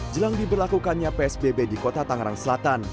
jelang diberlakukannya psbb di kota tangerang selatan